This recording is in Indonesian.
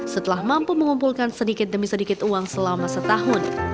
setelah mampu mengumpulkan sedikit demi sedikit uang selama setahun